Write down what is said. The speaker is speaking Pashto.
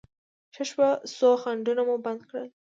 ښه شوه، څو خنډونه مو بند کړل.